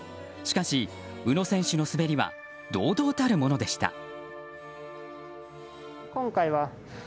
しかし、宇野選手の滑りは堂々たるものでした。